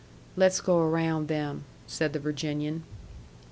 "Let's go around them," said the Virginian.